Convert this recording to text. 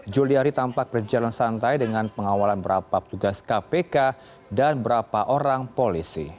juliari tampak berjalan santai dengan pengawalan berapa petugas kpk dan berapa orang polisi